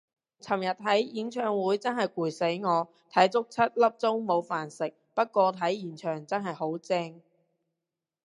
尋日睇演唱會真係攰死我，睇足七粒鐘冇飯食，不過睇現場真係好正